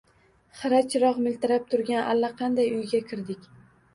Xira chiroq miltirab turgan allaqanday uyga kirdik.